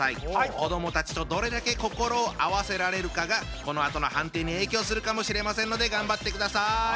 子どもたちとどれだけ心を合わせられるかがこのあとの判定に影響するかもしれませんので頑張ってください。